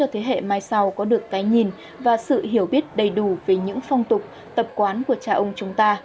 thế hệ mai sau có được cái nhìn và sự hiểu biết đầy đủ về những phong tục tập quán của cha ông chúng ta